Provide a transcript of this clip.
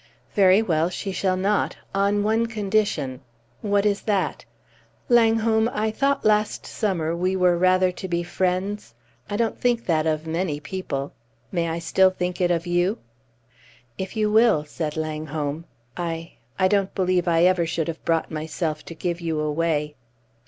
"Very well, she shall not on one condition." "What is that?" "Langholm, I thought last summer we were to be rather friends? I don't think that of many people. May I still think it of you?" "If you will," said Langholm. "I I don't believe I ever should have brought myself to give you away!"